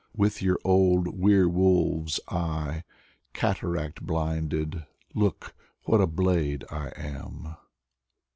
With your old were wolf*s eye, Cataract blinded, Look What a blade I am